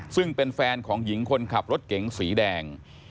ซึ่งเป็นแฟนของหญิงคนขับรถเก๋งสีแดง